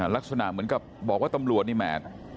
ลักษณะเหมือนกับบอกว่าตำรวจนี่แหม